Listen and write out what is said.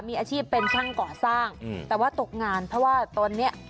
มีอาชีพเป็นช่างก่อสร้างแต่ว่าตกงานเพราะว่าตอนเนี้ย